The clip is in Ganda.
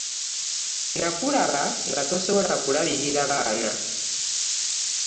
Nakulaba nga tosobola kulabirira baana.